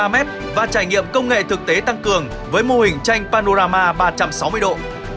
ba mét và trải nghiệm công nghệ thực tế tăng cường với mô hình tranh panorama ba trăm sáu mươi độ